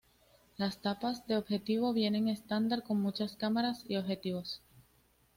Las tapas de objetivo vienen estándar con muchas cámaras y objetivos.